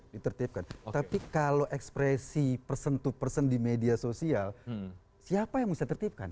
ditertipkan tapi kalau ekspresi person to person di media sosial siapa yang bisa tertipkan